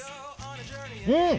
うん！